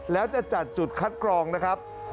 แล้วจะจัดจุดคัดกรองนะครับ